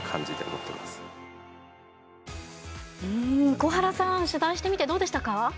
小原さん取材してみてどうでしたか。